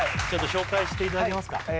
ちょっと紹介していただけますか？